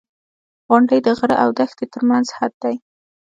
• غونډۍ د غره او دښتې ترمنځ حد دی.